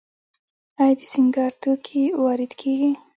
آیا د سینګار توکي وارد کیږي؟